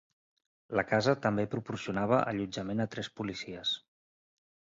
La casa també proporcionava allotjament a tres policies.